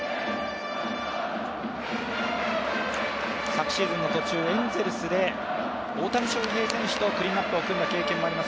昨シーズンの途中、エンゼルスで大谷翔平選手とクリーンアップを組んだ経験もあります